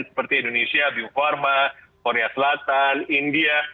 seperti indonesia bio farma korea selatan india